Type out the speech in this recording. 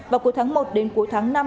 vào cuối tháng một đến cuối tháng năm